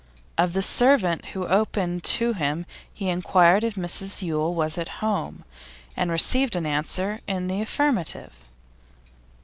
Of the servant who opened to him he inquired if Mrs Yule was at home, and received an answer in the affirmative.